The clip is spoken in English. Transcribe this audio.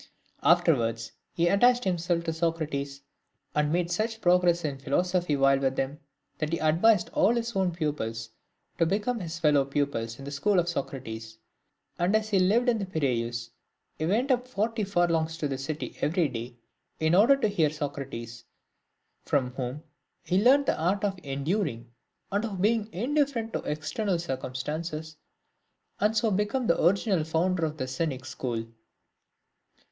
Afterwards, he attached himself to Socrates, and made such progress in philosophy while with him, that he advised all his own pupils to become his fellow pupils in the school of Socrates. And as he lived in the Piraeus, he went up forty furlongs to the city every day, in order to hear Socrates, from whom he learnt the art of enduring, and of being indifferent to external circum stances, and so became the original founder of the Cynic school.